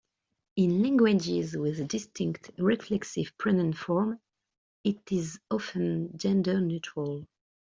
In languages with a distinct reflexive pronoun form, it is often gender-neutral.